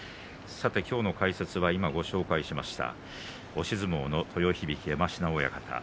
今日の解説は今、ご紹介しました押し相撲の豊響、山科親方